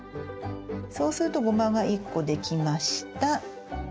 そうするとゴマが１個できました。